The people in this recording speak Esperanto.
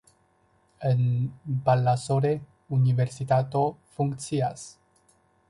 En Balasore universitato funkcias.